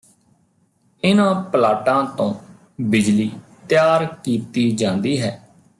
ਇਨ੍ਹਾਂ ਪਲਾਂਟਾਂ ਤੋਂ ਬਿਜਲੀ ਤਿਆਰ ਕੀਤੀ ਜਾਂਦੀ ਹੈ